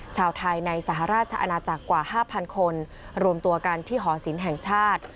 ชาวไทยในสหราชอาณาจักรกว่า๕๐๐คนรวมตัวกันที่หอศิลป์แห่งชาติ